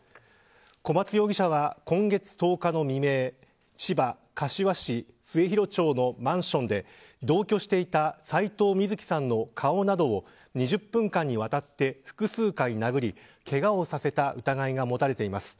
小松容疑者は、今月１０日の未明千葉・柏市末広町のマンションで同居していた斎藤瑞希さんの顔などを２０分間にわたって複数回殴り、けがをさせた疑いが持たれています。